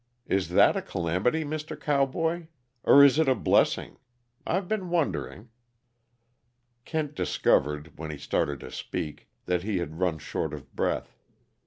Is that a calamity, Mr. Cowboy? Or is it a blessing? I've been wondering." Kent discovered, when he started to speak, that he had run short of breath.